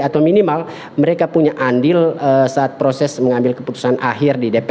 atau minimal mereka punya andil saat proses mengambil keputusan akhir di dpr